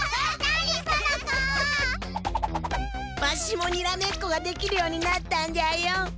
わしもにらめっこができるようになったんじゃよ。